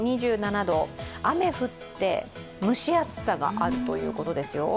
２７度、雨降って、蒸し暑さがあるということですよ。